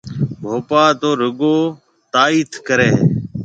ڀوپا تو رُگو تائيٿ ڪريَ هيَ۔